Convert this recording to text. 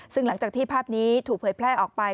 ซึ่งหลังจากที่ภาพนี้ถูกเผยแพร่ออกไป